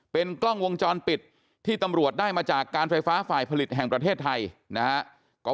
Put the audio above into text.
เป็นกล้องวงจรปิดที่ตำรวจได้มาจากการไฟฟ้าฝ่ายผลิตแห่งประเทศไทยนะครับ